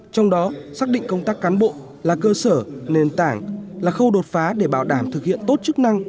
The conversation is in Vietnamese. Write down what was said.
trong đó xác định công tác cán bộ là cơ sở nền tảng là khâu đột phá để bảo đảm thực hiện tốt chức năng